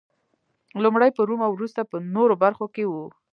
لومړی په روم او وروسته په نورو برخو کې و